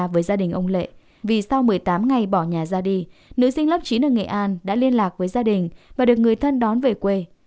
vì sau một mươi tám ngày bỏ nhà ra đi nữ sinh lớp chín ở nghệ an đã liên lạc với gia đình và được người thân đón về quê